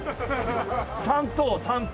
３等３等。